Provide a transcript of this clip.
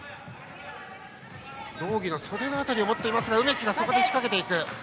道着の袖の辺りを持っていますが梅木がそこで仕掛けていく。